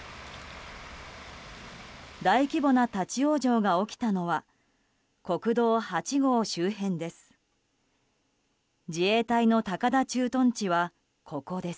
大規模な立ち往生が起きたのは国道８号周辺です。